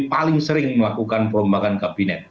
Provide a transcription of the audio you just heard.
paling sering melakukan perombakan kabinet